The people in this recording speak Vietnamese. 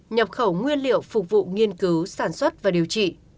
nhập khẩu nguyên liệu phục vụ nghiên cứu sản xuất và điều trị